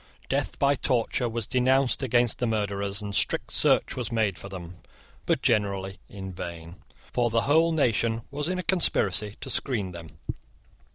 Death by torture was denounced against the murderers, and strict search was made for them, but generally in vain; for the whole nation was in a conspiracy to screen them.